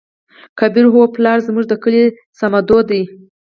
کبير : هو پلاره زموږ د کلي صمدو دى.